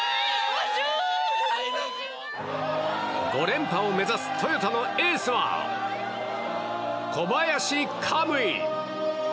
５連覇を目指すトヨタのエースは小林可夢偉。